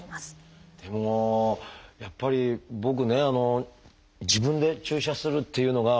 でもやっぱり僕ね自分で注射するっていうのが。